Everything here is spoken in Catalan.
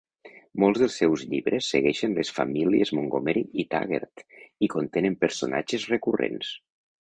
Molts dels seus llibres segueixen les famílies Montgomery i Taggert i contenen personatges recurrents.